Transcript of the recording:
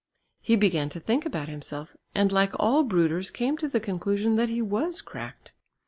He began to think about himself, and like all brooders came to the conclusion that he was cracked.